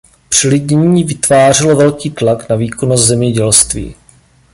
Přelidnění vytvářelo velký tlak na výkonnost zemědělství.